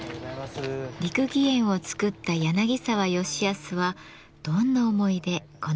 六義園を作った柳沢吉保はどんな思いでこの庭を設計したのでしょう？